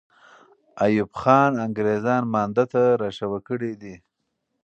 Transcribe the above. ایوب خان انګریزان مانده ته را شوه کړي دي.